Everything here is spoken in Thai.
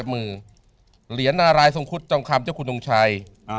มือเหรียญนารายทรงคุดจองคำเจ้าคุณทงชัย